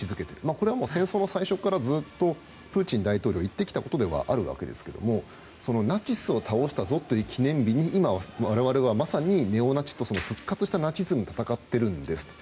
これはもう、戦争の最初からプーチン大統領が言ってきたことではあるわけですけれどもナチスを倒したぞという記念日に今我々は復活したナチズムと戦っているんですと。